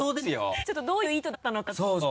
ちょっとどういう意図だったのかそうそう。